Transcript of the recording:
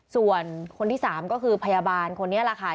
ส่วนคนที่๓ก็คือพยาบาลคนนี้แหละค่ะ